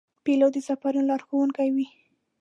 پیلوټ د سفرونو لارښوونکی وي.